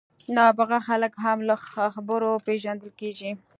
نابغه خلک هم له خبرو پېژندل کېږي.